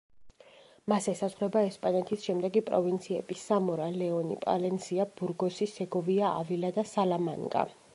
მას ესაზღვრება ესპანეთის შემდეგი პროვინციები: სამორა, ლეონი, პალენსია, ბურგოსი, სეგოვია, ავილა და სალამანკა.